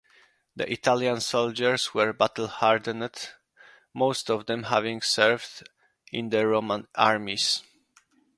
The Italian soldiers were battle-hardened, most of them having served in the Roman armies.